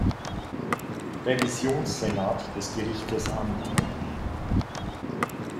Revisionssenat des Gerichtes an.